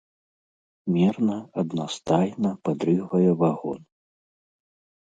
Мерна, аднастайна падрыгвае вагон.